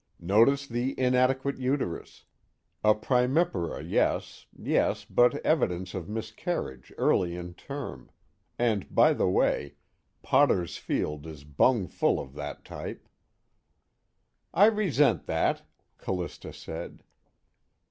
Notice the inadequate uterus, a primipara yes yes, but evidence of miscarriage early in term and by the way, Potter's Field is bungfull of that type." "I resent that," Callista said.